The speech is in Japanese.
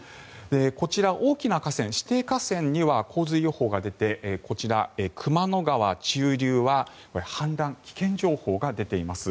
こちら、大きな河川指定河川には洪水予報が出てこちら熊野川中流には氾濫危険情報が出ています。